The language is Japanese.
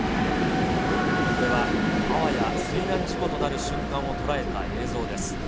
これはあわや水難事故となる瞬間を捉えた映像です。